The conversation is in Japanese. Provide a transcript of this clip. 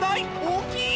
大きい！